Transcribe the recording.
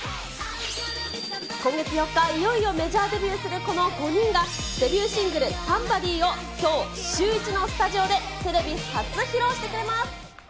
今月４日、いよいよメジャーデビューするこの５人が、デビューシングル、ＳＯＭＥＢＯＤＹをきょう、シューイチのスタジオでテレビ初披露してくれます。